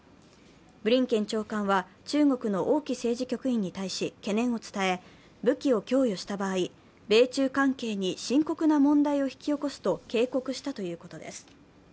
ブリンケン長官は中国の王毅政治局員に対し懸念を伝え武器を供与した場合、米中関係に深刻な問題を引き起こすと警告したということです。